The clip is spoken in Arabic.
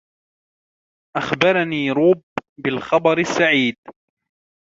أخبرني روب بالخبر السعيد.